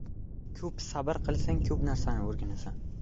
• Ko‘p sabr qilsang ko‘p narsani o‘rganasan.